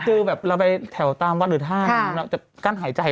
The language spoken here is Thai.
คือเราไปแถวตาม๕๕๒๕จากกั้นหายใจ